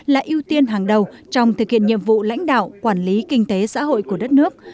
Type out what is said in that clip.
là ưu tiên hàng đầu trong thực hiện nhiệm vụ lãnh đạo quản lý kinh tế xã hội của đất nước